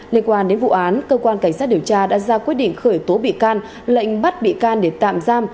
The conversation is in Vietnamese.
liên quan đến vụ án cơ quan cảnh sát điều tra đã ra quyết định khởi tố bị can lệnh bắt bị can để tạm giam